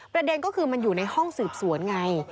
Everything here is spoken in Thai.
ประเด็นก็คือมันอยู่ในห้องสืบสวนไง